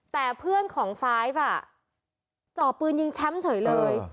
แต่เพื่อนของ๕จอบปืนยิงแชมป์เฉยเลย